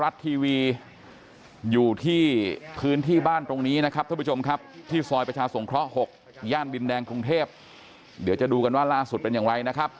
รัฐทีวีอยู่ที่พื้นที่บ้านตรงนี้นะครับท่านผู้ชมครับที่ซอยประชาสงเคราะห์๖ย่านดินแดงกรุงเทพเดี๋ยวจะดูกันว่าล่าสุดเป็นอย่างไรนะครับ